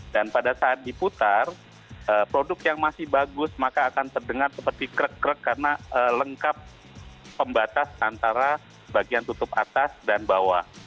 dan pada saat diputar produk yang masih bagus maka akan terdengar seperti krek krek karena lengkap pembatas antara bagian tutup atas dan bawah